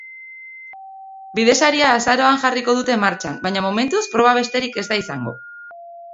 Bidesaria azaroan jarriko dute martxan, baina momentuz proba besterik ez da izango.